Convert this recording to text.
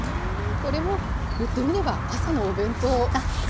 これも言ってみれば朝のお弁当ですよね。